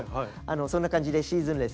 そんな感じでシーズンレス。